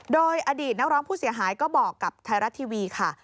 โดยอดีตนักร้องผู้เสียหายก็บอกกับไทยรัฐทีวีค่ะ